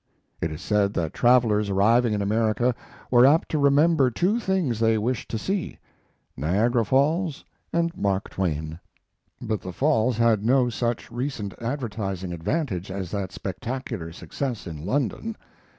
It is said that travelers arriving in America, were apt to remember two things they wished to see: Niagara Falls and Mark Twain. But the Falls had no such recent advertising advantage as that spectacular success in London.